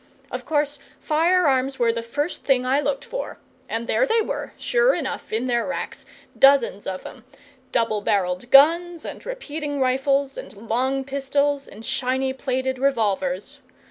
Of course, fire arms were the first thing I looked for, and there they were, sure enough, in their racks, dozens of 'em double barrelled guns, and repeating rifles, and long pistols, and shiny plated revolvers.